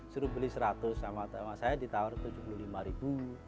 suruh beli seratus sama saya ditawar rp tujuh puluh lima ribu